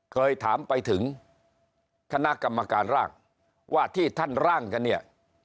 เคยถามไปถึงคณะกรรมการร่างว่าที่ท่านร่างกันเนี่ย